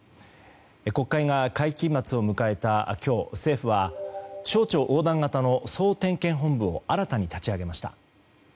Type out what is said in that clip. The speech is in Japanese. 国会が会期末を迎えた今日政府は省庁横断型の総点検本部を新たに立ち上げました。